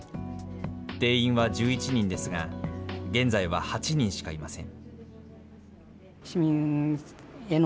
定員は１１人ですが、現在は８人しかいません。